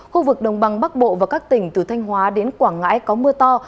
khu vực đồng bằng bắc bộ và các tỉnh từ thanh hóa đến quảng ngãi có mưa to